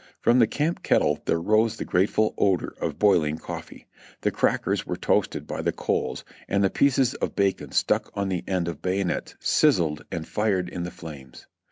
From the camp kettle there rose the grateful odor of boiling coffee ; the crackers were toasted by the coals, and the pieces of bacon stuck on the end of bayonets siz zled and fired in the flames.